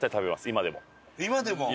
今でも。